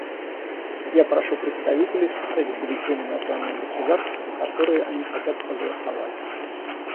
Я прошу представителей вписать в бюллетени названия государств, за которые они хотят проголосовать.